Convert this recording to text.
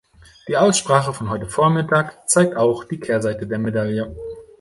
Die Aussprache von heute Vormittag zeigt auch die Kehrseite der Medaille.